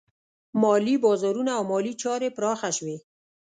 مالي بازارونه او مالي چارې پراخه شوې.